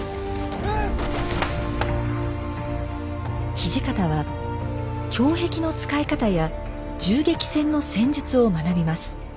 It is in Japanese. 土方は胸壁の使い方や銃撃戦の戦術を学びます。